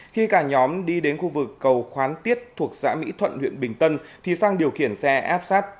khi cả nhóm đi đến khu vực cầu khoán tiết thuộc xã mỹ thuận huyện bình tân thì sang điều khiển xe áp sát